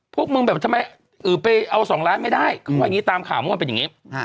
พวกมึงแบบทำไมเอา๒ล้านไม่ได้ตามข่าวมันเป็นอย่างนี้